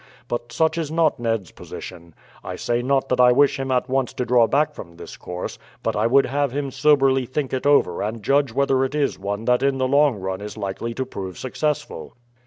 But such is not Ned's position. I say not that I wish him at once to draw back from this course; but I would have him soberly think it over and judge whether it is one that in the long run is likely to prove successful."